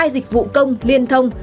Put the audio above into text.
hai dịch vụ công liên thông